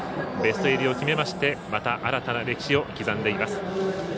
ベスト８入りを決めてまた新たな歴史を刻んでいます。